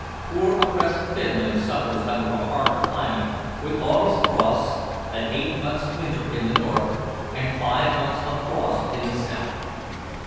Poor oppressed Finland suffers under a hard climate with August frosts, an eight months' winter in the north, and five months of frost in the south.